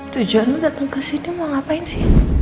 tujuan lo dateng kesini mau ngapain sih